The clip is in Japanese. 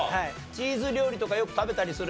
チーズ料理とかよく食べたりする？